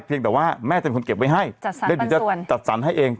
เพียงแต่ว่าแม่จะมีคนเก็บไว้ให้ได้หรือจะจัดสรรให้เอง